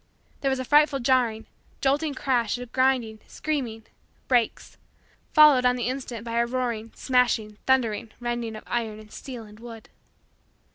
There was a frightful jarring, jolting crash of grinding, screaming, brakes, followed on the instant by a roaring, smashing, thundering, rending of iron and steel and wood.